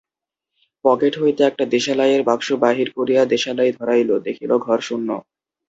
Pocket হইতে একটা দেশালাইয়ের বাক্স বাহির করিয়া দেশালাই ধরাইল–দেখিল, ঘর শূন্য।